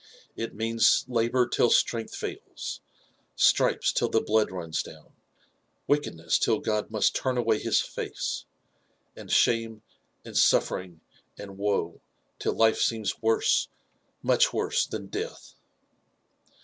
It means labour till strength fails — stripes till the blood runs down — wickedness Ull God must turn away his face — and shame, and suf fering, and woe, till life seems worse, much worse than death.